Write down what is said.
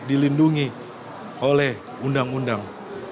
dilindungi oleh undang undang